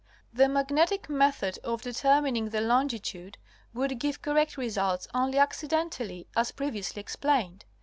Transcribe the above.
The magnetic method of determining the longitude would give cor rect results only accidentally, as previously explained.